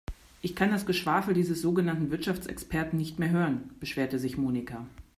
Ich kann das Geschwafel dieses sogenannten Wirtschaftsexperten nicht mehr hören, beschwerte sich Monika.